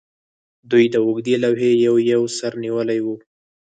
دوی د اوږدې لوحې یو یو سر نیولی و